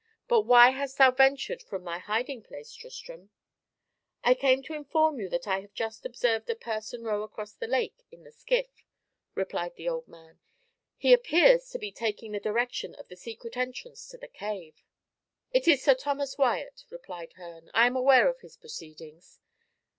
But why hast thou ventured from thy hiding place, Tristram?" "I came to inform you that I have just observed a person row across the lake in the skiff," replied the old man. "He appears to be taking the direction of the secret entrance to the cave." "It is Sir Thomas Wyat," replied Herne, "I am aware of his proceedings.